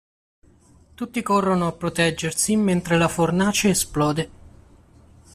Tutti corrono a proteggersi mentre la fornace esplode.